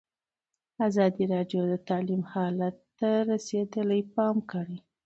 ازادي راډیو د تعلیم حالت ته رسېدلي پام کړی.